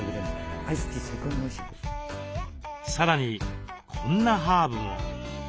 さらにこんなハーブも。